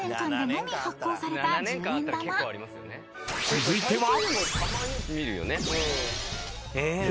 ［続いては］